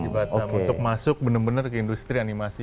di batam untuk masuk bener bener ke industri animasi